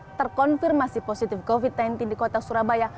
yang terkonfirmasi positif covid sembilan belas di kota surabaya